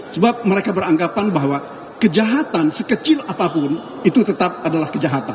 sebab mereka beranggapan bahwa kejahatan sekecil apapun itu tetap adalah kejahatan